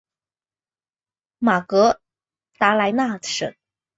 马格达莱纳省。